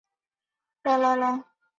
又授弟子觅历高声梵呗于今。